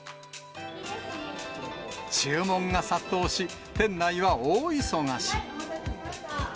注文が殺到し、店内は大忙し。